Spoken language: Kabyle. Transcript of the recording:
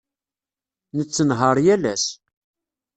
Nettenhaṛ yal ass.